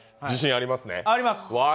自信ありますね。